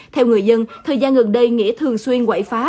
theo người dân thời gian gần đây nghĩa thường xuyên quậy phá